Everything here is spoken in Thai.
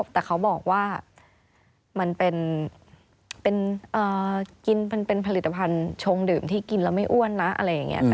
แต่เขาบอกว่ามันเป็นกินเป็นผลิตภัณฑ์ชงดื่มที่กินแล้วไม่อ้วนนะอะไรอย่างนี้